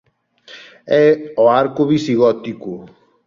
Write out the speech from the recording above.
É o arco visigótico.